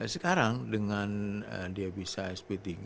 sekarang dengan dia bisa sp tiga